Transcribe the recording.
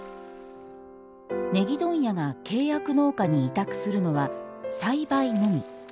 ねぎ問屋が、契約農家に委託するのは栽培のみ。